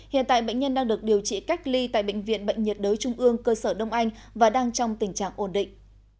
hiện tại bệnh nhân đang được điều trị cách ly tại bệnh viện bệnh nhiệt đới trung ương cơ sở đông anh và đang trong tình trạng ổn định